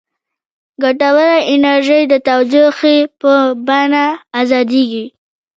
ګټوره انرژي د تودوخې په بڼه ازادیږي.